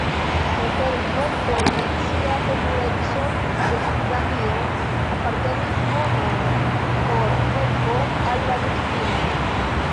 La Servo por nacia sekureco de Afganio apartigis monon por helpo al la viktimoj.